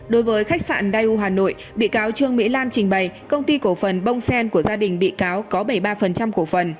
đối với khách sạn dayu hà nội bị cáo trương mỹ lan trình bày công ty cổ phần bông sen của gia đình bị cáo có bảy mươi ba cổ phần